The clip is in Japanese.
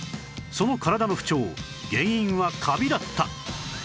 その体の不調原因はカビだった